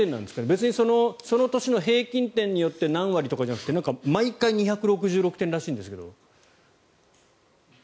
別にその年の平均点によって何割とかじゃなくてなんか毎回２６６点らしいんですけど。